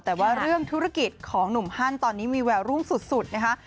แต่ว่าเรื่องธุรกิจของหนุ่มฮันตอนนี้มีแววรุ่งสุดนะคะ